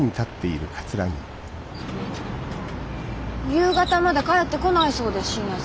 夕方まで帰ってこないそうです信也さん。